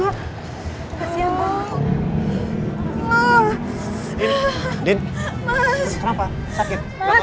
aduh buk black